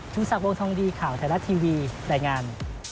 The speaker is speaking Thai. ทุกทรัพย์โว้งท่องดีข่าวไทรลักษณ์ทีวีดายงาน